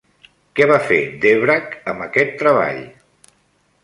Què va fer Dvořák amb aquest treball?